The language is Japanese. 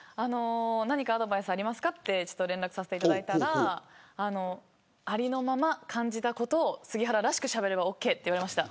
何かアドバイスありますかって連絡したらありのまま感じたことを杉原らしくしゃべればオーケーと言われました。